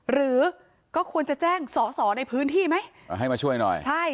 หรือก็ควรจะแจ้งสอสอในพื้นที่ไหมให้มาช่วยหน่อยใช่